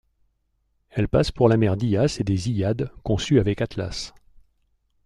Elle passe pour la mère d'Hyas et des Hyades, conçus avec Atlas.